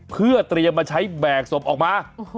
เพื่อเตรียมมาใช้แบกศพออกมา